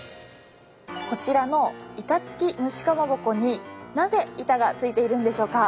こちらの板つき蒸しかまぼこになぜ板がついているんでしょうか？